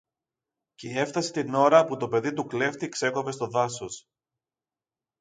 κι έφθασε την ώρα που το παιδί του κλέφτη ξέκοβε στο δάσος.